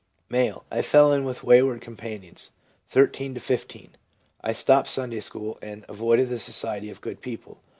M. * I fell in with wayward companions (13 to 15). I stopped Sunday school, and avoided the society of good people.